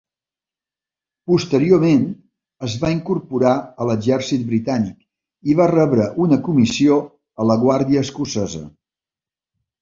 Posteriorment es va incorporar a l'exèrcit britànic i va rebre una comissió a la guàrdia escocesa.